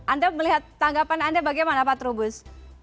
anda melihat tanggapan anda bagaimana pak trubus